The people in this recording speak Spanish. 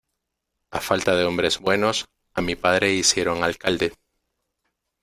A falta de hombres buenos, a mi padre hicieron alcalde.